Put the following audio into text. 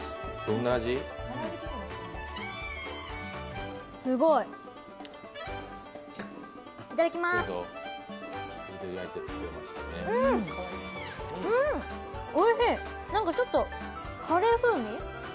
おいしい、ちょっとカレー風味？